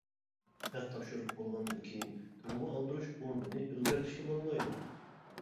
ھەق تاپشۇرۇپ بولغاندىن كېيىن، تىزىمغا ئالدۇرۇش ئورنىنى ئۆزگەرتىشكە بولمايدۇ.